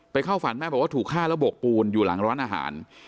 เข้าฝันแม่บอกว่าถูกฆ่าระบบปูนอยู่หลังร้านอาหาร